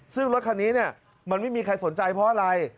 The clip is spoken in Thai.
ซึ่งรถคันนี้มันไม่มีใครสนใจเพราะอะไร